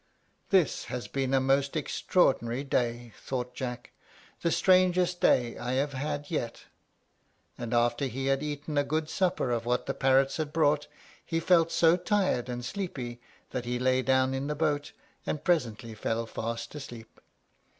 "This has been a most extraordinary day," thought Jack; "the strangest day I have had yet." And after he had eaten a good supper of what the parrots had brought, he felt so tired and sleepy that he laid down in the boat, and presently fell fast asleep.